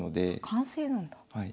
完成なんだ。